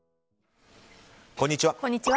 こんにちは。